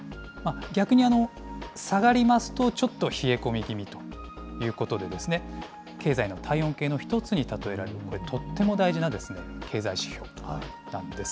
逆に下がりますと、ちょっと冷え込み気味ということで、経済の体温計の一つに例えられる、これ、とっても大事な経済指標なんです。